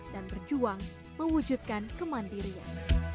dan berjuang mewujudkan kemandirian